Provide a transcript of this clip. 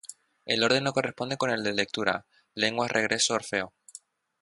El orden no corresponde con el de lectura: Lenguas-Regreso-Orfeo.